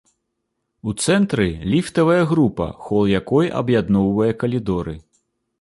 У цэнтры ліфтавая група, хол якой аб'ядноўвае калідоры.